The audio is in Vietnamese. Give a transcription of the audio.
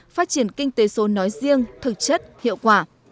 phát triển kinh tế số nói riêng thực chất hiệu quả